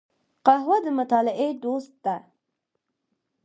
قهوه د مطالعې دوست ده